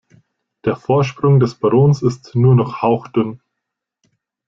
Der Vorsprung des Barons ist nur noch hauchdünn.